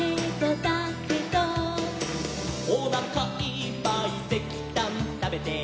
「」「おなかいっぱいせきたんたべて」